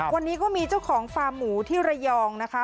วันนี้ก็มีเจ้าของฟาร์มหมูที่ระยองนะคะ